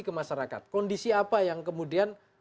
ke masyarakat kondisi apa yang kemudian